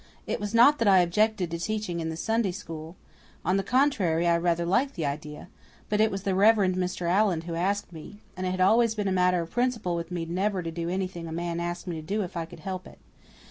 It was not that I objected to teaching in the Sunday School. On the contrary I rather liked the idea; but it was the Rev. Mr. Allan who asked me, and it had always been a matter of principle with me never to do anything a man asked me to do if I could help it.